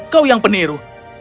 kau yang peniru